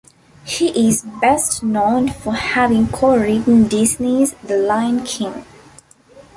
He is best known for having co-written Disney's "The Lion King".